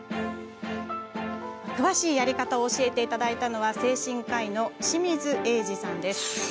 詳しいやり方を教えていただいたのは精神科医の清水栄司さん。